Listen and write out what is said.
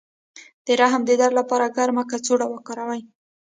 د رحم د درد لپاره ګرمه کڅوړه وکاروئ